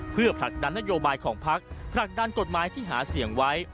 เพื่อผลักดันนโยบายของพักผลักดันกฎหมายที่หาเสียงไว้